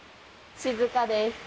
静香です